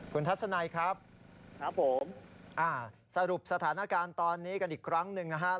คุณทัศนัยครับครับผมสรุปสถานการณ์ตอนนี้กันอีกครั้งหนึ่งนะครับ